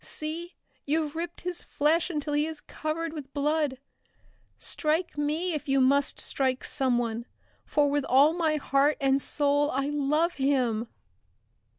See, you've ripped his flesh until he is covered with blood! Strike me if you must strike someone for with all my heart and soul I love him!"